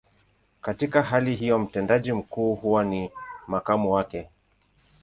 Katika hali hiyo, mtendaji mkuu huwa ni makamu wake.